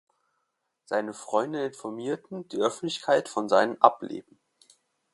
Seine Freunde informierten die Öffentlichkeit von seinem Ableben.